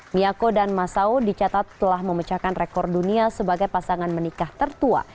miako dan masao dicatat telah memecahkan rekor dunia sebagai pasangan menikah tertua